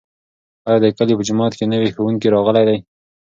ایا د کلي په جومات کې نوی ښوونکی راغلی دی؟